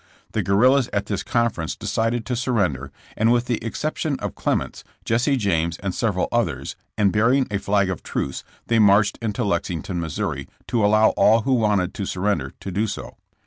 The guerrillas at this conference decided to surrender, with the exception of Clements, Jesse James and several others, and bearing a flag of truce, they marched into Lexington, Mo., to allow all who wanted to surrender to do so.